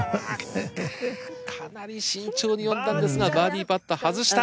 かなり慎重に読んだんですがバーディパット外した。